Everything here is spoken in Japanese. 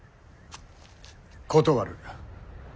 断る。